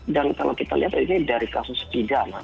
dan kalau kita lihat ini dari kasus pidana